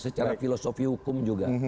secara filosofi hukum juga